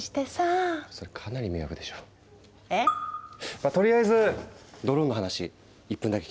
まぁとりあえずドローンの話１分だけ聞いて下さい。